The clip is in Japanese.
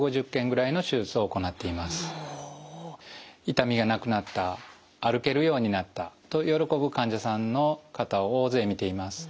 痛みがなくなった歩けるようになったと喜ぶ患者さんの方を大勢見ています。